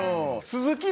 「鈴木」